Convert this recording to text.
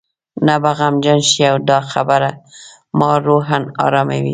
ته به غمجن شې او دا خبره ما روحاً اراموي.